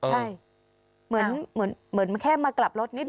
ใช่เหมือนแค่มากลับรถนิดน